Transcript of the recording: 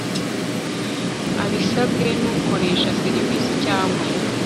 abisabwe n ukoresha serivisi cyangwa